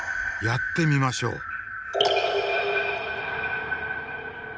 やってみましょう。